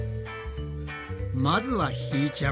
まずはひーちゃん。